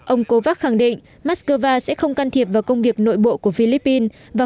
ông kovács khẳng định mắc cơ va sẽ không can thiệp vào công việc nội bộ của philippines và